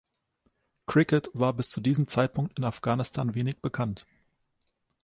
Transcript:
Cricket war bis zu diesem Zeitpunkt in Afghanistan wenig bekannt.